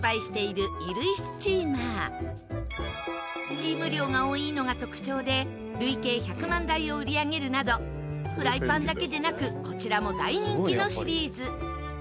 スチーム量が多いのが特徴で累計１００万台を売り上げるなどフライパンだけでなくこちらも大人気のシリーズ。